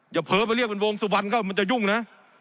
เผลอไปเรียกเป็นวงสุวรรณเข้ามันจะยุ่งนะ